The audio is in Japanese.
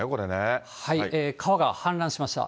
川が氾濫しました。